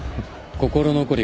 心残り？